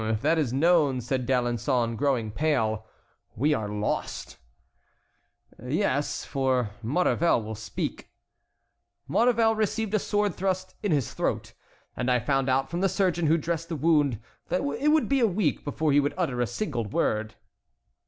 "If that is known," said D'Alençon, growing pale, "we are lost." "Yes, for Maurevel will speak." "Maurevel received a sword thrust in his throat, and I found out from the surgeon who dressed the wound that it would be a week before he would utter a single word."